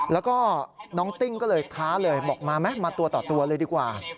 แล้วก็น้องติ้งก็เลยท้าเลยบอกมาไหมมาตัวต่อตัวเลยดีกว่า